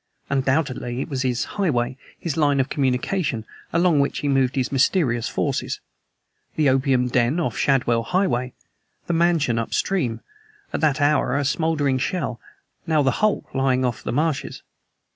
Undoubtedly it was his highway, his line of communication, along which he moved his mysterious forces. The opium den off Shadwell Highway, the mansion upstream, at that hour a smoldering shell; now the hulk lying off the marshes.